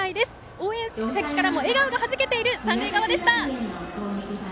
応援席からも笑顔がはじけている三塁側でした。